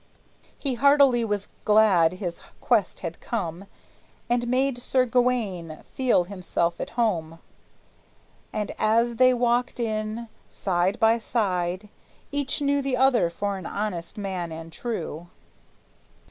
He heartily was glad his guest had come, And made Sir Gawayne feel himself at home; And as they walked in, side by side, each knew The other for an honest man and true.